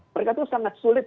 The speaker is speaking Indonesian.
mereka itu sangat sulit